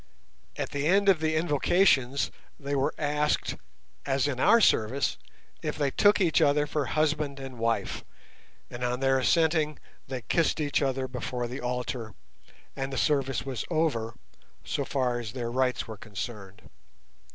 At the end of the invocations they were asked, as in our service, if they took each other for husband and wife, and on their assenting they kissed each other before the altar, and the service was over, so far as their rites were concerned.